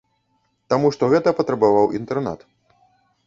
Таму што гэта патрабаваў інтэрнат.